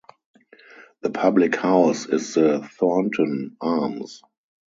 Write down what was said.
The public house is the Thornton Arms.